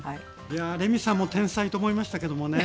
いやレミさんも天才と思いましたけどもね。